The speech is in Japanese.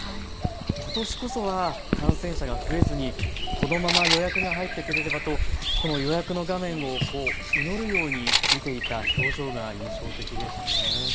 ことしこそは感染者が増えずに、このまま予約が入ってくれればとこの予約の画面を祈るように見ていた表情が印象的でした。